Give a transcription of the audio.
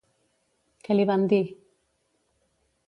Què li van dir?